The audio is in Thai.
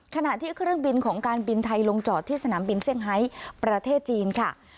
ขณะที่เครื่องบินของการบินไทยลงจอดที่สนามบินเซี่ยงไฮประเทศจีนค่ะ